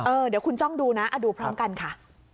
เดี๋ยวคุณจ้องดูนะดูพร้อมกันค่ะ